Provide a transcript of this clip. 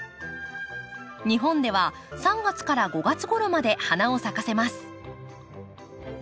日本では３月から５月ごろまで花を咲かせます。